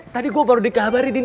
tadi gue baru dikabari din